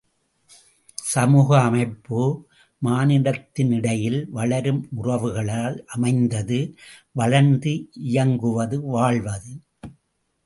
சமூக அமைப்பு மானுடத்தினிடையில் வளரும் உறவுகளால் அமைந்தது வளர்ந்து இயங்குவது வாழ்வது.